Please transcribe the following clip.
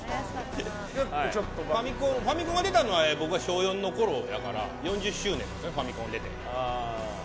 ファミコンが出たのは僕が小４のころだから４０周年ですねファミコンが出て。